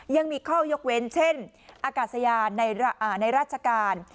ยังมีข้อยกเว้นเช่นอากาศยานในราชการ